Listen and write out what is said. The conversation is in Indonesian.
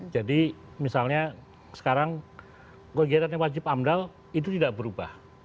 jadi misalnya sekarang kegiatannya wajib amdal itu tidak berubah